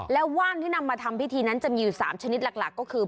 แล้วว่านที่นำมาทำพิธีนั้นจะมีอยู่๓ชนิดหลักก็คือ